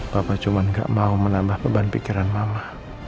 papa cuma nggak mau menambah beban pikiran mama